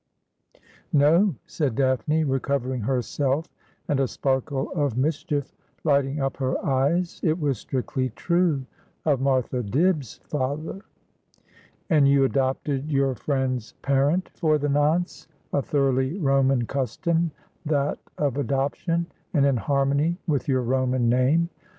' No,' said Daphne, recovering herself, and a sparkle of mis chief lighting up her eyes ;' it was strictly true — of Martha Dibb's father.' ' And you adopted your friend's parent for the nonce ; a thoroughly Roman custom that of adoption, and in harmony with your Roman name.